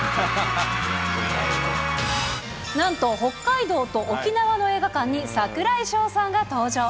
なんと北海道と沖縄の映画館に櫻井翔さんが登場。